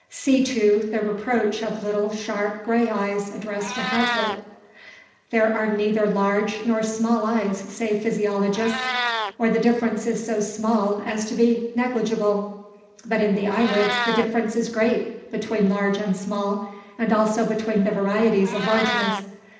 See, too, the reproach of little, sharp, grey eyes addressed to Hazlitt. There are neither large nor small eyes, say physiologists, or the difference is so small as to be negligeable. But in the eyelids the difference is great between large and small, and also between the varieties of largeness.